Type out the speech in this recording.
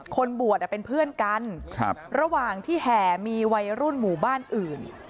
คนบวชเป็นเพื่อนกันระหว่างที่แห่มีวัยรุ่นหมู่บ้านอื่น